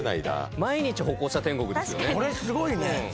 これすごいね。